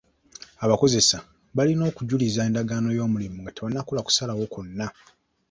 Abakozesa balina okujuliza endagaano y'omulimu nga tebannakola kusalawo kwonna.